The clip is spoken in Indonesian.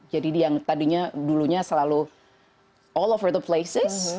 jadi yang tadinya dulunya selalu all over the places